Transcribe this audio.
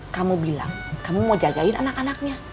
kamu bilang kamu mau jagain anak anaknya